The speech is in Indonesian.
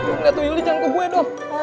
enggak tuyul nih jangan ke gue dong